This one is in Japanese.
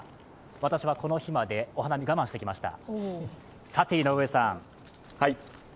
私はこの日までお花見を我慢してきました。